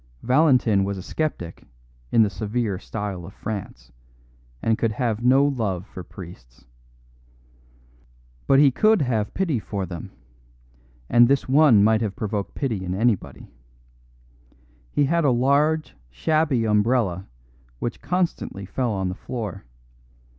Valentin was a sceptic in the severe style of France, and could have no love for priests. But he could have pity for them, and this one might have provoked pity in anybody. He had a large, shabby umbrella, which constantly fell on the floor.